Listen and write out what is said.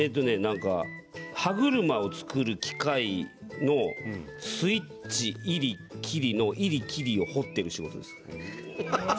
歯車を作る機械のスイッチ入る、切るの入るを取っている仕事です。